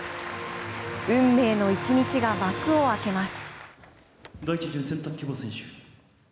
運命の一日が幕を開けます。